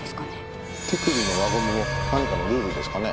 手首の輪ゴムも何かのルールですかね？